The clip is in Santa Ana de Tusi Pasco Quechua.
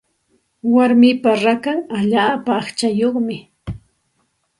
Warmipa rakan allaapa aqchayuqmi.